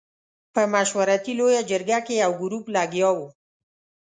په مشورتي لویه جرګه کې یو ګروپ لګیا وو.